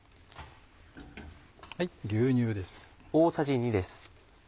牛乳です。